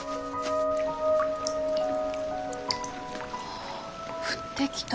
ああ降ってきた。